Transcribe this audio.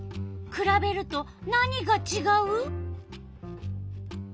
くらべると何がちがう？